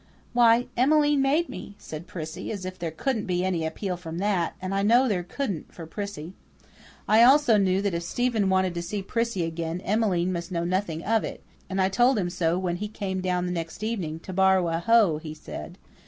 "Why, Emmeline made me," said Prissy, as if there couldn't be any appeal from that; and I knew there couldn't for Prissy. I also knew that if Stephen wanted to see Prissy again Emmeline must know nothing of it, and I told him so when he came down the next evening to borrow a hoe, he said.